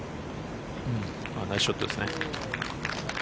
ナイスショットですね。